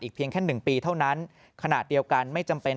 เพียงแค่๑ปีเท่านั้นขณะเดียวกันไม่จำเป็น